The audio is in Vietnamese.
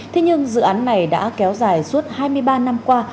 thế nhưng dự án này đã kéo dài suốt hai mươi ba năm qua